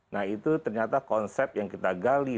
nah itu ternyata konsep yang kita gali